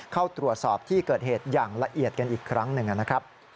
เข้าตรวจสอบที่เกิดเหตุอย่างละเอียดกันอีกครั้งหนึ่งนะครับ